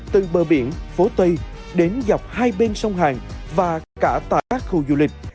từ bờ biển phố tây đến dọc hai bên sông hàn và cả các khu du lịch